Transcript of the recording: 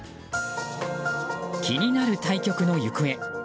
気になる対局の行方。